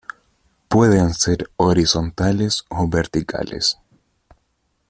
Pueden ser horizontales o verticales.